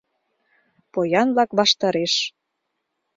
Поян-влак ваштареш